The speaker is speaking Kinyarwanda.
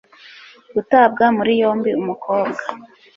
gutabwa muri yombi umukobwa